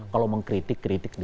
kalau mengkritik kritik di sana